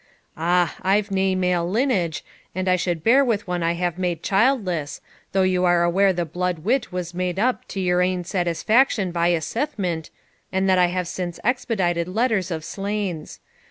Ah! I have nae male lineage, and I should bear with one I have made childless, though you are aware the blood wit was made up to your ain satisfaction by assythment, and that I have since expedited letters of slains.